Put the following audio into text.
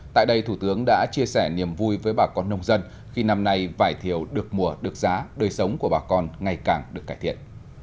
tại đây thủ tướng đã chia sẻ niềm vui với bà con nông dân khi năm nay vải thiều được mùa được giá đời sống của bà con ngày càng được cải thiện